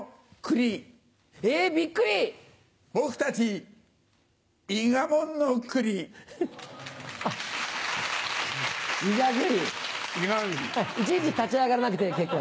いちいち立ち上がらなくて結構。